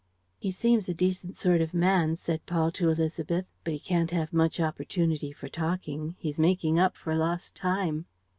"He seems a decent sort of man," said Paul to Élisabeth, "but he can't have much opportunity for talking. He's making up for lost time."